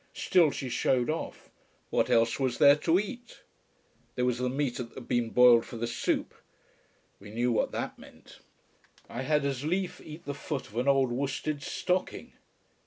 Still she showed off. What else was there to eat? There was the meat that had been boiled for the soup. We knew what that meant. I had as lief eat the foot of an old worsted stocking.